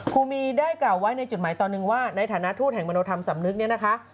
ครูมีได้กล่าวไว้ในจุดหมายตอนหนึ่งว่าในฐานะทูตแห่งมโนธรรมสำนึกเนี่ยนะคะ